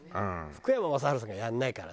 福山雅治さんがやんないから。